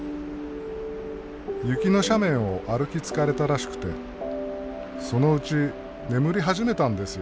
雪の斜面を歩き疲れたらしくてそのうち眠り始めたんですよ。